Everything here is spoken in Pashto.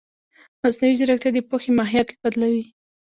مصنوعي ځیرکتیا د پوهې ماهیت بدلوي.